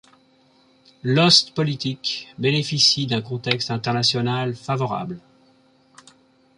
L'Ostpolitik bénéficie d'un contexte international favorable.